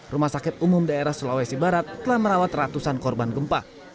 rumah sakit umum daerah sulawesi barat telah merawat ratusan korban gempa